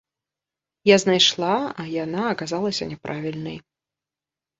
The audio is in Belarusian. Я знайшла, а яна аказалася няправільнай.